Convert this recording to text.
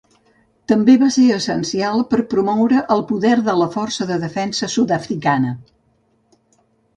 També va ser essencial per promoure el poder de la Força de Defensa Sud-africana.